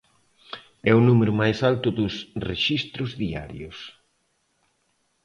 É o número máis alto dos rexistros diarios.